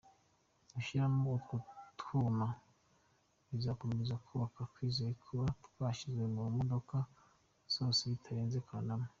Gushyiramo utwo twuma bizakomeza, tukaba twizeye kuba twashyizwe mu modoka zose bitarenze Kanama.